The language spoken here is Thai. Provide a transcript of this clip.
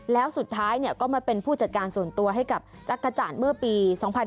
แล้วสุดท้ายก็มาเป็นผู้จัดการส่วนตัวให้กับจักรจันทร์เมื่อปี๒๕๕๙